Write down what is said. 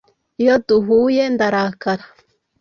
Iyo duhuye ndarakara.”